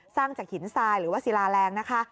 สร้างจากหินทรายหรือว่าศิลาแรงนะคะ